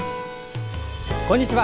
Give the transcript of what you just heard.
こんにちは。